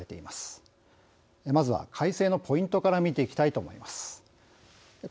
まずは改正のポイントから見ていきたいと思います。